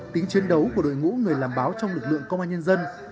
tính chiến đấu của đội ngũ người làm báo trong lực lượng công an nhân dân